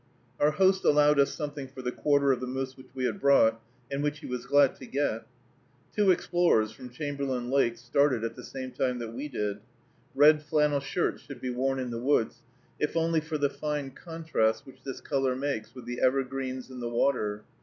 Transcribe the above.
Our host allowed us something for the quarter of the moose which we had brought, and which he was glad to get. Two explorers from Chamberlain Lake started at the same time that we did. Red flannel shirts should be worn in the woods, if only for the fine contrast which this color makes with the evergreens and the water.